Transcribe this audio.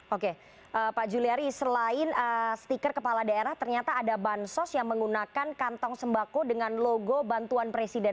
oke pak juliari selain stiker kepala daerah ternyata ada bansos yang menggunakan kantong sembako dengan logo bantuan presiden